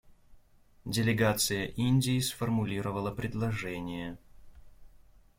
Делегация Индии сформулировала предложение.